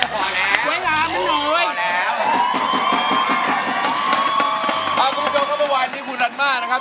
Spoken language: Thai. ขอบคุณผู้ชมช่วยคำว่าอย่างนี้คุณรัฐมา